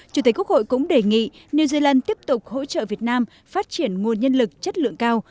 chủ tịch quốc hội cũng đề nghị new zealand tiếp tục hỗ trợ việt nam phát triển nguồn nhân lực chất lượng cao